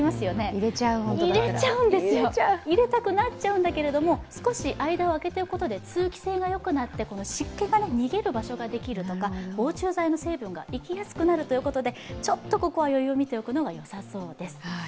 入れちゃうんですよ、入れたくなっちゃうんだけれども少し間を開けておくことで通気性がよくなって、湿気が逃げる場所ができるとか防虫剤の成分がいきやすくなるということでちょっとここは余裕を見ておくのがよさそうです。